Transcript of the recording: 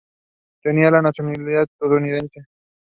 They got five children.